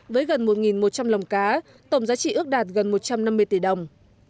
với gần một một trăm linh lồng cá tổng giá trị ước đạt gần một trăm năm mươi tỷ đồng